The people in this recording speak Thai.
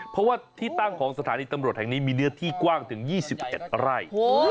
เพราะว่าที่ตั้งของสถานีตำรวจแห่งนี้มีเนื้อที่กว้างถึง๒๑ไร่